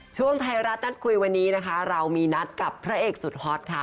ช่วงไทยรัฐนัดคุยวันนี้นะคะเรามีนัดกับพระเอกสุดฮอตค่ะ